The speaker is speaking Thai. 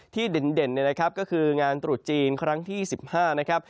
เด่นเนี่ยนะครับก็คืองานตรุษจีนครั้งที่๑๕นะครับ